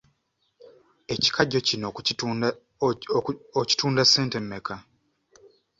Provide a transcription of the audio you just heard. Ekikajjo kino okitunda ssente mmeka?